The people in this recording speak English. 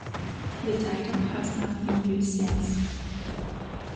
The title has not been used since.